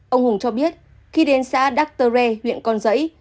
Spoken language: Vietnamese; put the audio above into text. ông hùng cho biết khi đến xã đắc tơ re huyện con giấy